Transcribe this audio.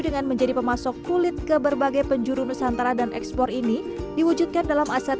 dengan menjadi pemasok kulit ke berbagai penjuru nusantara dan ekspor ini diwujudkan dalam aset